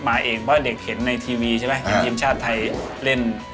มาเองเพราะเด็กเห็นในทีวีแบบทีมชาติไทยเล่น